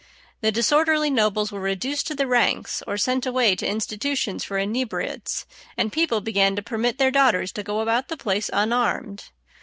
The disorderly nobles were reduced to the ranks or sent away to institutions for inebriates, and people began to permit their daughters to go about the place unarmed.